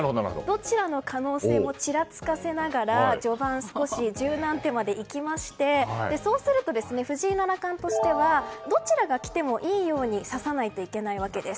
どちらの可能性もちらつかせながら序盤、十何手までいきましてそうすると藤井七冠としてはどちらが来てもいいように指さないといけないわけです。